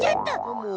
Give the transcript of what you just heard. もう。